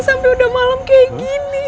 sampai udah malem kaya gini